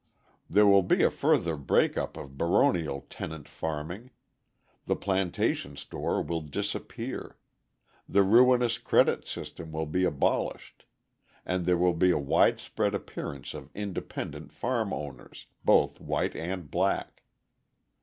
There will be a further break up of baronial tenant farming, the plantation store will disappear, the ruinous credit system will be abolished, and there will be a widespread appearance of independent farm owners, both white and black.